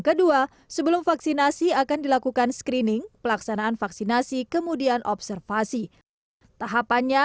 kedua sebelum vaksinasi akan dilakukan screening pelaksanaan vaksinasi kemudian observasi tahapannya